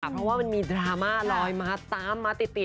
เพราะว่ามันมีดราม่าลอยมาตามมาติด